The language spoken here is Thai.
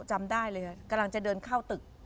จำได้เลยกำลังจะเดินเข้าตึก